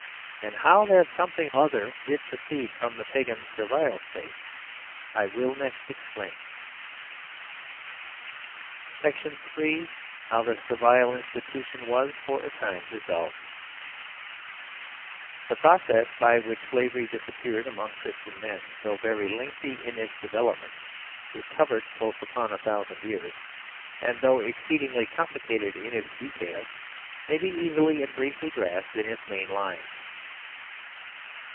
And how that something other did proceed from the Pagan Servile State I will next explain. SECTION THREE HOW THE SERVILE INSTITU TION WAS FOR A TIME DISSOLVED SECTION THE THIRD HOW THE SERVILE INSTITUTION WAS FOR A TIME DISSOLVED THE PROCESS BY WHICH SLAVERY disappeared among Christian men, though very leng thy in its development (it covered close upon a thou sand years), and though exceedingly complicated in its detail, may be easily and briefly grasped in its main lines.